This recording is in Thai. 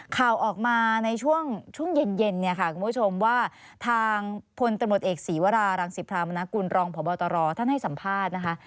ข่าวออกมาในช่วงเย็นเนี่ยค่ะคุณผู้ชมว่าทางพลตำรวจเอกศีวรารังสิพรามนากุลรองพบตรท่านให้สัมภาษณ์นะคะ